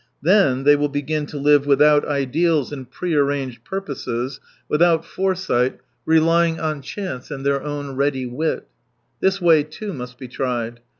Then they will begin to live without ideals 211 and pre arranged purposes, without fore sight, relying on chance and their own ready wit. This way, too, must be tried.